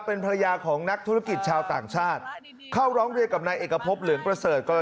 เป็นภรรยาของนักธุรกิจชาวต่างชาติเข้าร้องเรียนกับนายเอกพบเหลืองประเสริฐ